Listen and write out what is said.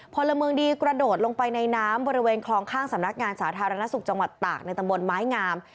พลเมืองดีกระโดดลงไปในน้ำบริเวณคลองข้างสำนักงานสาธารณสุขจังหวัดตากในตำบลไม้งาม